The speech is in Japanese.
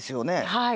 はい。